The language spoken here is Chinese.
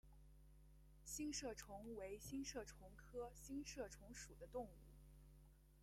星射虫为星射虫科星射虫属的动物。